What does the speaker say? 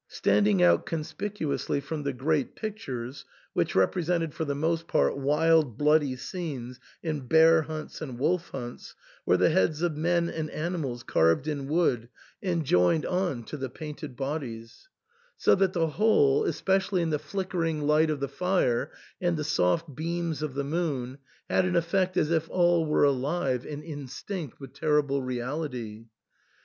Standing out conspicuously from the great pictures, which represented for the most part wild bloody scenes in bear hunts and wolf hunts, were the heads of men and animals carved in wood and joined on to the 226 THE ENTAIL. painted bodies, so that the whole, especially in the flickering light of the fire and the soft beams of the moon, had an effect as if all were alive and instinct with terrible reality.